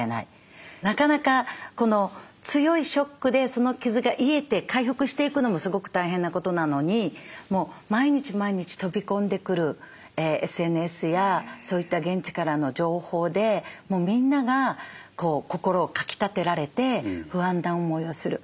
なかなかこの強いショックでその傷が癒えて回復していくのもすごく大変なことなのにもう毎日毎日飛び込んでくるＳＮＳやそういった現地からの情報でもうみんなが心をかきたてられて不安な思いをする。